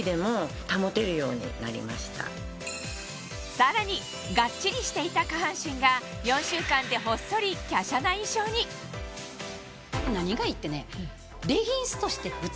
さらにがっちりしていた下半身が４週間でほっそりきゃしゃな印象に何がいいってね。